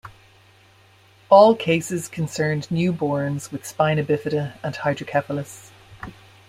All cases concerned newborns with spina bifida and hydrocephalus.